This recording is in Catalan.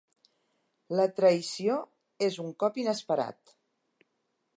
La traïció és un cop inesperat.